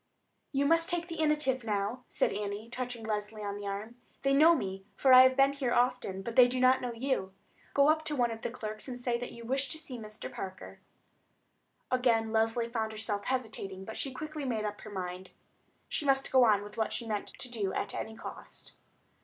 "You must take the initiative now," said Annie, touching Leslie on the arm. "They know me, for I have been here often; but they do not know you. Go up to one of the clerks and say that you wish to see Mr. Parker." Again Leslie found herself hesitating, but then she quickly made up her mind. She must go on with what she meant to do at any cost.